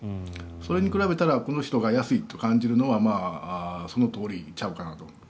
それに比べたらこの人が安いと感じるのはそのとおりちゃうかなと。